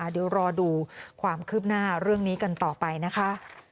เดี๋ยวรอดูความคืบหน้าเรื่องนี้กันต่อไปนะคะ